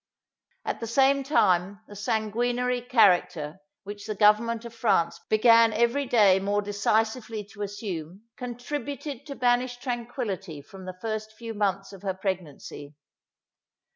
At the same time the sanguinary character which the government of France began every day more decisively to assume, contributed to banish tranquillity from the first months of her pregnancy.